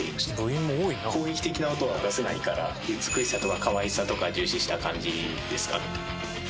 攻撃的な音は出せないから美しさとか可愛さとかを重視した感じですか。